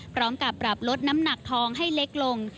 พร้อมกับปรับลดน้ำหนักทองให้เล็กลง